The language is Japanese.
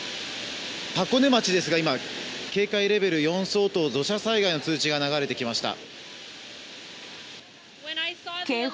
箱根町ですが今、警戒レベル４相当土砂災害の通知が流れてきました。